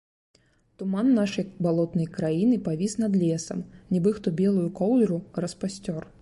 Туман нашай балотнай краіны павіс над лесам, нібы хто белую коўдру распасцёр.